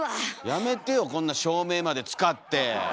やめてよこんな照明まで使って！